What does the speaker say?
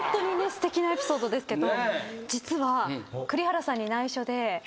すてきなエピソードですけど。